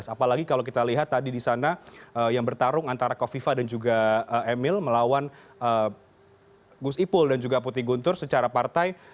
apalagi kalau kita lihat tadi di sana yang bertarung antara kofifa dan juga emil melawan gus ipul dan juga putih guntur secara partai